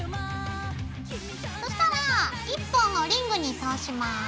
そしたら１本をリングに通します。